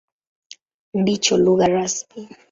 Ndicho lugha rasmi.